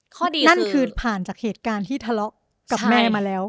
นั่นคือผ่านจากเหตุการณ์ที่ทะเลาะกับแม่มาแล้ว